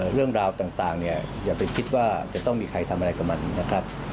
เรื่องราวต่างเนี่ยอย่าไปคิดว่าจะต้องมีใครทำอะไรกับมันนะครับ